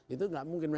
itu gak mungkin